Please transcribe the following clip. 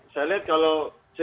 saya lihat kalau sejak